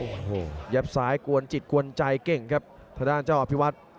โอ้โหยับซ้ายกวนจิตกวนใจเก่งครับทางด้านเจ้าอภิวัฒน์